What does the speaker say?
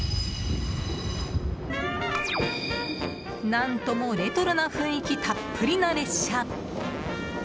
何ともレトロな雰囲気たっぷりな列車！